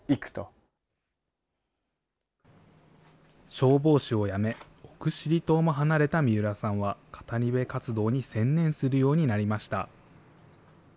消防士を辞め、奥尻島も離れた三浦さんは、語り部活動に専念するようになりました。